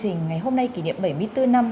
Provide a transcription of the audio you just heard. chương trình ngày hôm nay kỷ niệm bảy mươi bốn năm